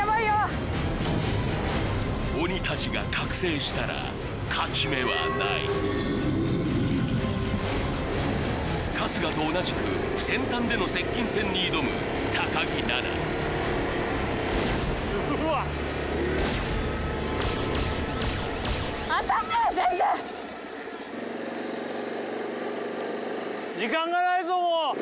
鬼たちが覚醒したら勝ち目はない春日と同じく先端での接近戦に挑む木菜那うわっ時間がないぞ！